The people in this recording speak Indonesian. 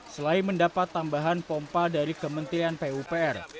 selain mendapat tambahan pompa dari kementerian pupr